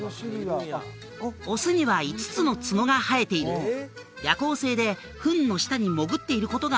オスには５つの角が生えている夜行性で糞の下に潜っていることが